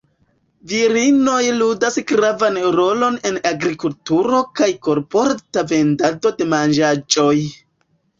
Virinoj ludas gravan rolon en agrikulturo kaj kolporta vendado de manĝaĵoj.